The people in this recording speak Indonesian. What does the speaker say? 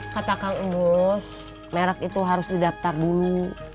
kata kang unggul merek itu harus didaftar dulu